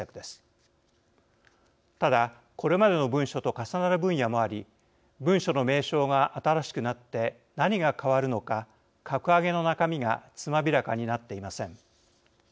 ただこれまでの文書と重なる分野もあり文書の名称が新しくなって何が変わるのか格上げの中身がつまびらかになっていません。